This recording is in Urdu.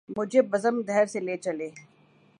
مجھے بزم دہر سے لے چلے